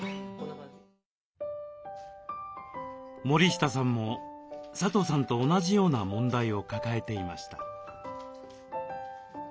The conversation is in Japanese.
森下さんも佐藤さんと同じような問題を抱えていました。